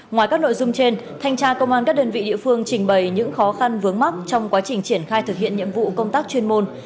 ngoài các nội dung trên thanh tra công an các đơn vị địa phương trình bày những khó khăn vướng mắt trong quá trình triển khai thực hiện nhiệm vụ công tác chuyên môn